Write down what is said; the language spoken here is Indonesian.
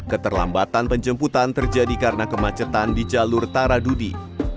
keterlambatan penjemputan terjadi karena kemacetan di jalur taradudi